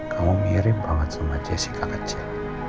kamu mirip banget sama jessica kecil